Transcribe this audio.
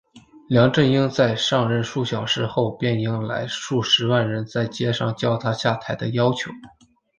梁振英在上任数小时后便迎来数十万人在街上叫他下台的要求。